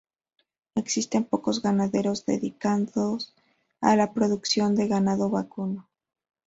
Existen pocos ganaderos dedicados a la producción de ganado vacuno.